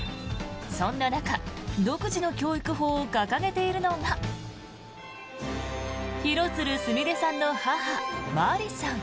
そんな中独自の教育法を掲げているのが廣津留すみれさんの母真理さん。